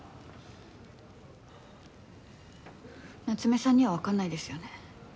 夏目さんにはわかんないですよね。